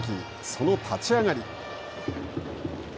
その立ち上がり。